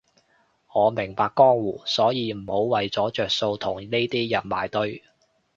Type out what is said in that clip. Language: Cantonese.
我明白江湖，所以唔好為咗着數同呢啲人埋堆